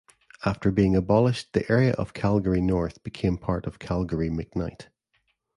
After being abolished the area of Calgary North became part of Calgary McKnight.